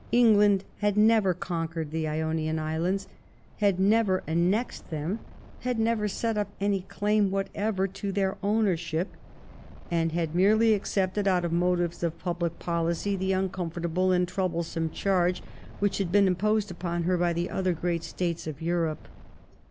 England had never conquered the Ionian Islands, had never annexed them, had never set up any claim whatever to their ownership, and had merely 214 THE STORY OF GLADSTONE'S LIFE accepted, out of motives of public policy, the un comfortable and troublesome charge which had been imposed upon her by the other great States of Europe.